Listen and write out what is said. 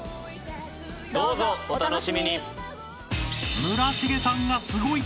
どうぞお楽しみに！